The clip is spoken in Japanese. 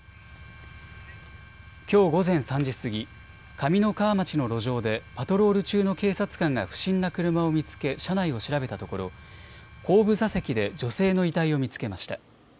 きょう午前３時過ぎ、上三川町の路上でパトロール中の警察官が不審な車を見つけ車内を調べたところ後部座席で女性の遺体を見つけました。